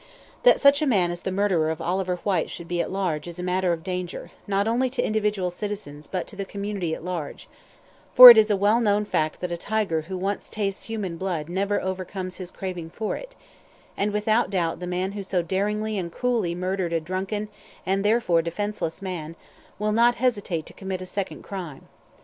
"That such a man as the murderer of Oliver Whyte should be at large is a matter of danger, not only to individual citizens, but to the community at large; for it is a well known fact that a tiger who once tastes human blood never overcomes his craving for it; and, without doubt the man who so daringly and coolly murdered a drunken, and therefore defenceless man, will not hesitate to commit a second crime.